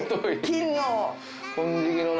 金の。